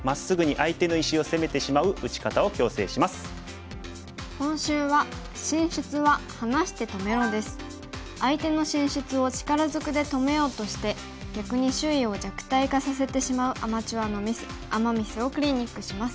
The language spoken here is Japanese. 相手の進出を力ずくで止めようとして逆に周囲を弱体化させてしまうアマチュアのミスアマ・ミスをクリニックします。